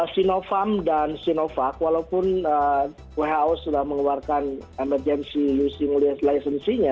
sinovac dan sinovac walaupun who sudah mengeluarkan emergency useng licensinya